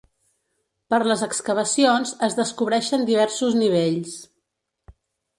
Per les excavacions es descobreixen diversos nivells.